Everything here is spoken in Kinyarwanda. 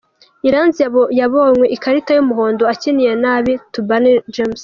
Iranzi yabonyue ikarita y’umuhondo akiniye nabi Tubane James .